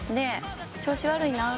「調子悪いな」